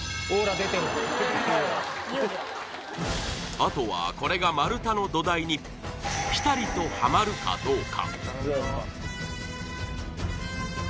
あとは、これが丸太の土台にピタリとはまるかどうか。